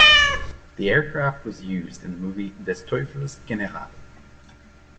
The aircraft was used in the movie Des Teufels General.